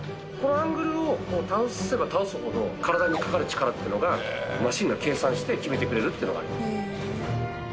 このアングルを倒せば倒すほど体にかかる力っていうのがマシンが計算して決めてくれるっていうのがあります。